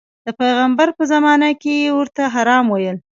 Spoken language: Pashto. د پیغمبر په زمانه کې یې ورته حرا ویل.